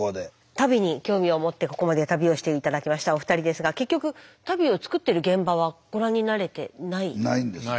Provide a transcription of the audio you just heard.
足袋に興味を持ってここまで旅をして頂きましたお二人ですが結局足袋を作ってる現場はご覧になれてない？ないんですね。